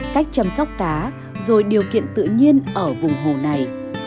cách chăm sóc cá rồi điều kiện tự nhiên ở vùng hồ này